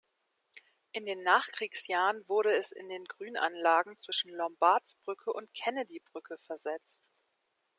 In den Nachkriegsjahren wurde es in den Grünanlagen zwischen Lombardsbrücke und Kennedybrücke versetzt.